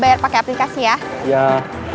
saya mau ke tempat yang lain